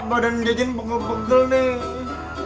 badan jejen bengkel bengkel nih